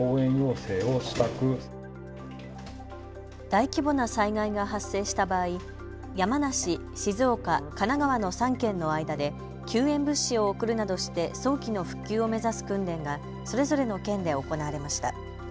大規模な災害が発生した場合、山梨、静岡、神奈川の３県の間で救援物資を送るなどして早期の復旧を目指す訓練がそれぞれの県で行われました。